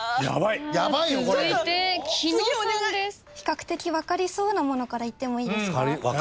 比較的分かりそうなものからいってもいいですか？